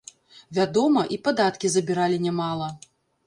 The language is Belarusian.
Вядома, і падаткі забіралі нямала.